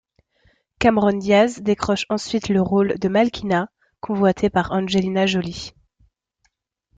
Cameron Diaz décroche ensuite le rôle de Malkina, convoité par Angelina Jolie.